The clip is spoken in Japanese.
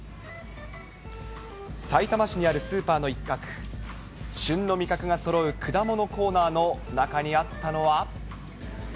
さいたま市にあるスーパーの一角、旬の味覚がそろう果物コーナーの中にあったのは。